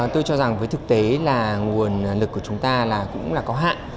tôi cho rằng với thực tế là nguồn lực của chúng ta là cũng là có hạn